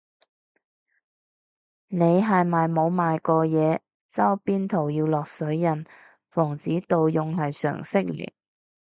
你係咪冇賣過嘢，周邊圖要落水印防止盜用係常識嚟